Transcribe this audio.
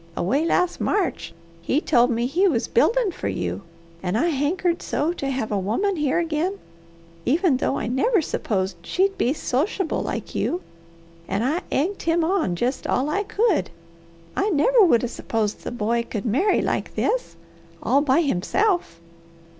Away last March he told me he was buildin' for you, an' I hankered so to have a woman here again, even though I never s'posed she'd be sochiable like you, that I egged him on jest all I could. I never would 'a' s'posed the boy could marry like this all by himself."